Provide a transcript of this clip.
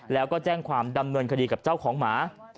แล้วก็แจ้งความดำเนินคดีกับเจ้าของหมา